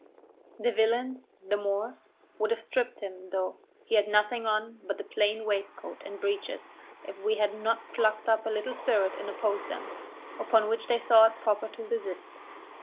The villains, (the Moors), would have stripped him, though, he had nothing on but a plain waistcoat and breeches, if we had not plucked up a little spirit and opposed them; upon which they thought proper to desist.